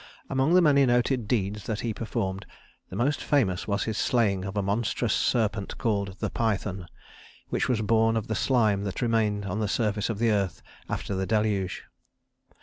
Among the many noted deeds that he performed, the most famous was his slaying of a monstrous serpent called the Python, which was born of the slime that remained on the surface of the earth after the Deluge.